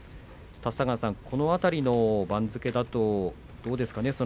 立田川さん、この辺りの番付だとどうでしょうか。